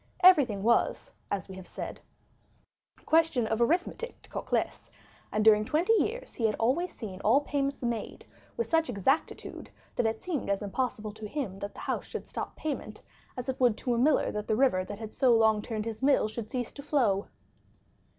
Everything was as we have said, a question of arithmetic to Cocles, and during twenty years he had always seen all payments made with such exactitude, that it seemed as impossible to him that the house should stop payment, as it would to a miller that the river that had so long turned his mill should cease to flow.